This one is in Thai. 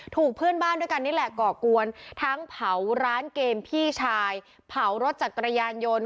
ถูกเพื่อนบ้านด้วยกันนี่แหละก่อกวนทั้งเผาร้านเกมพี่ชายเผารถจักรยานยนต์